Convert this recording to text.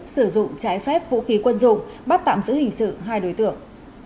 sử dụng trái phép vũ khí quân dụng bắt tạm giữ hình sự hai đối tượng